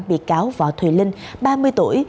bị cáo võ thùy linh ba mươi tuổi